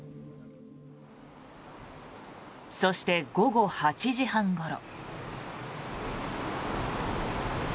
そして、午後８時半ごろ。